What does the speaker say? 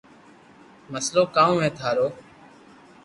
مسلو ڪاو ھي ٿارو